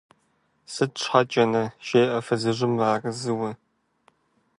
– Сыт щхьэкӀэ-на? – жеӀэ фызыжьым мыарэзыуэ.